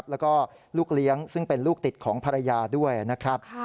แล้วก็ลูกเลี้ยงซึ่งเป็นลูกติดของภรรยาด้วยนะครับ